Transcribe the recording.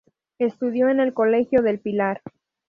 Estudió en el Colegio del Pilar.